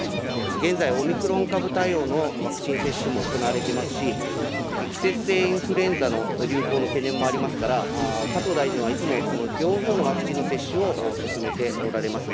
現在、オミクロン株対応のワクチン接種も行われてますし、季節性インフルエンザの流行の懸念もありますから、加藤大臣はいつも、その両方のワクチンの接種を進めておられます。